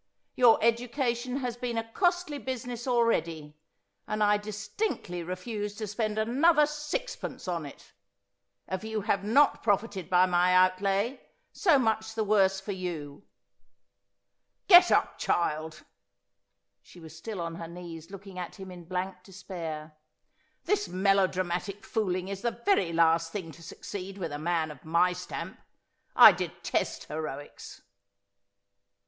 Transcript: Your education has been a costly business already ; and I distinctly refuse to spend another sixpence on it. If you have not profited by my outlay, so much the worse for you. 'Yeve Me my Deth, or that I have a Shame.' 125 Get up, child.' She was still on her knees, looking at him in blank despair. ' This melo dramatic fooling is the very last thing to succeed with a man of my stamp. I detest heroics.'